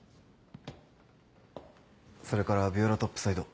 それからヴィオラトップサイド。